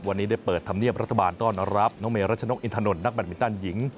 วันนี้ได้เปิดธรรมเนียบรัฐบาลต้อนรับน้องเมรัชนกอินถนนนักแบตมินตันหญิง